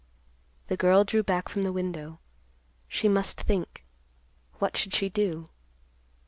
The girl drew back from the window. She must think. What should she do?